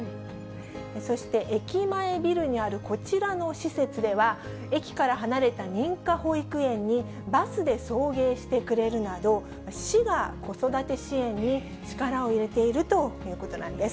そして駅前ビルにあるこちらの施設では、駅から離れた認可保育園にバスで送迎してくれるなど、市が子育て支援に力を入れているということなんです。